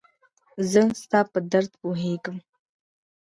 زه ستا په درد پوهيږم